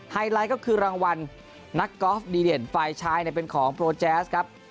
ไลท์ก็คือรางวัลนักกอล์ฟดีเด่นฝ่ายชายเป็นของโปรแจ๊สครับ